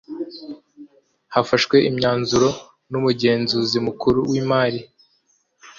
hafashwe imyanzuro n’umugenzuzi mukuru w’imari